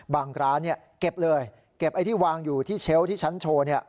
ร้านเก็บเลยเก็บไอ้ที่วางอยู่ที่เชลล์ที่ฉันโชว์